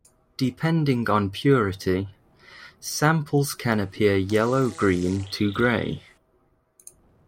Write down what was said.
Depending on purity, samples can appear yellow-green to grey.